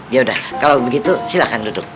yaudah kalau begitu silahkan duduk